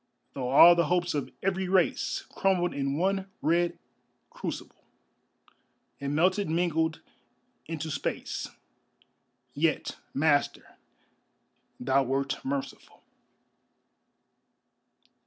Though all the hopes of every race Crumbled in one red crucible, And melted mingled into space, Yet, Master, thou wert merciful.